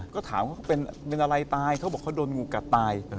ก็ถามว่าเป็นอะไรตายเขาบอกเขาโดนงูกัดตาย